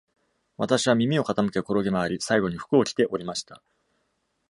私は耳を傾け、転げ回り、最後に服を着て降りました。